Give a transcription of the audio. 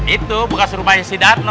itu bekas rumahnya si dano